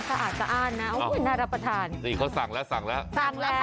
สะอาดสะอ้านนะโอ้ยน่ารับประทานนี่เขาสั่งแล้วสั่งแล้วสั่งแล้ว